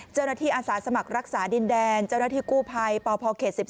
เจ้าหน้าที่อาสาสมัครรักษาดินแดนเจ้าหน้าที่กู้ภัยปภ๑๓